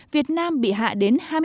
việt nam bị hạ đến hai mươi bốn